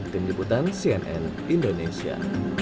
pendiputan cnn indonesia